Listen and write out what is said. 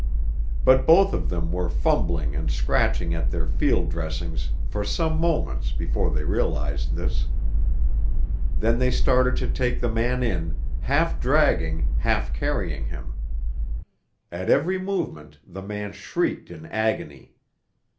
But both of them were fumbling and scratching at their field dressings for some moments before they realized this. Then they started to take the man in, half dragging, half carrying him. At every movement the man shrieked in agony.